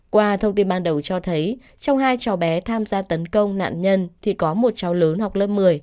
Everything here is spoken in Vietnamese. qua thông tin ban đầu cho thấy trong hai cháu bé tham gia tấn công nạn nhân thì có một cháu lớn học lớp một mươi